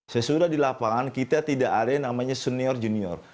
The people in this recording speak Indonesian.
sesudah di lapangan kita tidak ada yang namanya senior junior